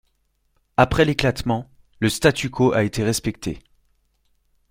Après l'éclatement, le statu quo a été respecté.